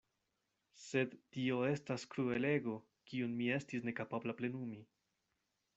Sed tio estas kruelego, kiun mi estis nekapabla plenumi.